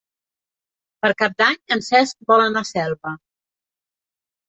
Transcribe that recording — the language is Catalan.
Per Cap d'Any en Cesc vol anar a Selva.